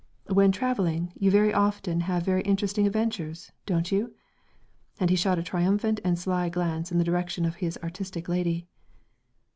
"When travelling you very often have very interesting adventures, don't you?" And he shot a triumphant and sly glance in the direction of his artistic lady.